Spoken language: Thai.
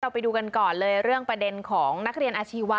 ไปดูกันก่อนเลยเรื่องประเด็นของนักเรียนอาชีวะ